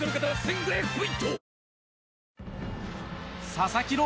佐々木朗